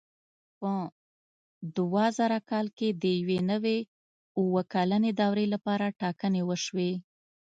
په دوه زره کال کې د یوې نوې اووه کلنې دورې لپاره ټاکنې وشوې.